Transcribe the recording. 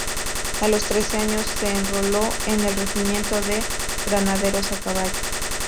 A los trece años se enroló en el regimiento de Granaderos a Caballo.